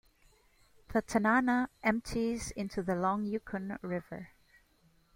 The Tanana empties into the long Yukon River.